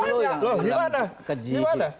lu lu yang bilang keji